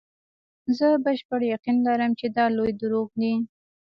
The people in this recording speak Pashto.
زه بشپړ یقین لرم چې دا لوی دروغ دي.